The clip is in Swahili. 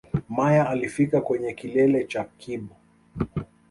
Meyer alifika kwenye kilele cha Kibo